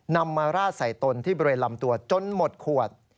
นำมาราดใส่ตนที่บริเวณลำตัวจนหมดขวด